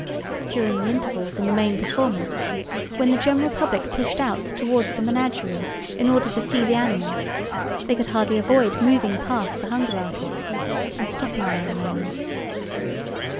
During the intervals in the main performance, when the general public pushed out towards the menagerie in order to see the animals, they could hardly avoid moving past the hunger artist and stopping there a moment.